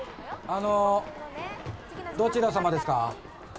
あのどちら様ですか？